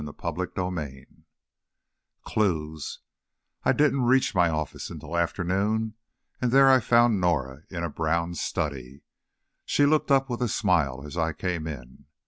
CHAPTER VI Clews I didn't reach my office until afternoon, and there I found Norah, in a brown study. She looked up with a smile as I came in.